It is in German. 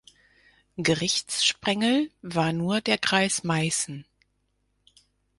Gerichtssprengel war nur der Kreis Meißen.